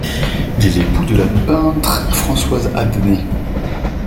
Il est l'époux de la peintre Françoise Adnet.